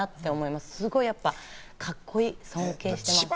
すごいやっぱカッコいい、尊敬してます。